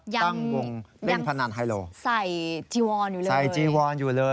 ยังใช่จีวอนอยู่เลยตั้งวงตั้งหลังพนันไทโล